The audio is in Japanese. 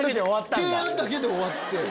提案だけで終わって。